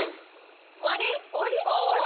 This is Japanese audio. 終わり？